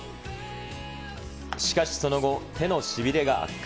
しかしその後、手のしびれが悪化。